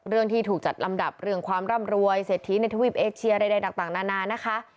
ที่ถูกจัดลำดับเรื่องความร่ำรวยเศรษฐีในทวีปเอเชียใดต่างนานานะคะ